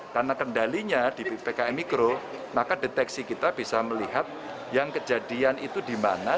karena kendalinya di pkm mikro maka deteksi kita bisa melihat yang kejadian itu di mana